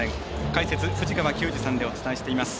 解説、藤川球児さんでお伝えしています。